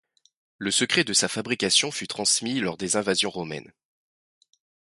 Le secret de sa fabrication fut transmis lors des invasions romaines.